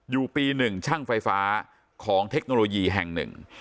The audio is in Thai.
อยู่ปี๑ช่างไฟฟ้าของเทคโนโลยีแห่ง๑